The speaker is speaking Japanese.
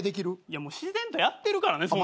自然とやってるからね。